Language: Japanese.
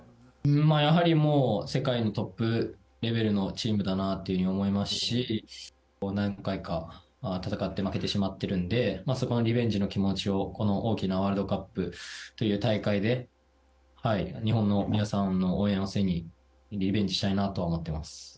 やはりもう世界のトップレベルのチームだなと思いますし何回か戦って負けてしまっているのでそこのリベンジの気持ちをこの大きなワールドカップの大会で日本の皆さんの応援を背にリベンジしたいなとは思っています。